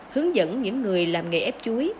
hướng dẫn những người làm nghề ép chuối